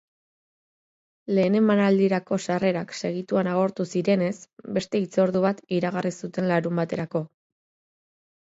Lehen emanaldirako sarrerak segituan agortu zirenez, beste hitzordu bat iragarri zuten larunbaterako.